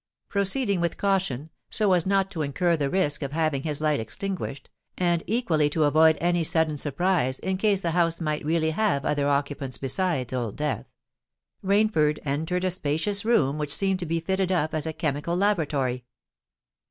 Proceeding with caution—so as not to incur the risk of having his light extinguished, and equally to avoid any sudden surprise in case the house might really have other occupants besides Old Death—Rainford entered a spacious room which seemed to be fitted up as a chemical laboratory.